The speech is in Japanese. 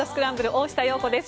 大下容子です。